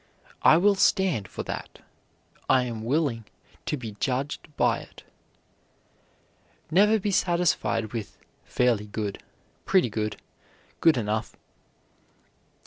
I will stand for that. I am willing to be judged by it." Never be satisfied with "fairly good," "pretty good," "good enough."